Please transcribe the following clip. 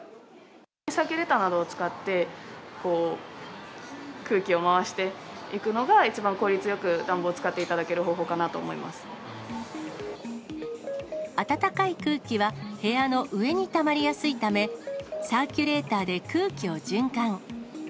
サーキュレーターなどを使って、空気を回していくのが一番効率よく、暖房を使っていただける方法暖かい空気は部屋の上にたまりやすいため、サーキュレーターで空気を循環。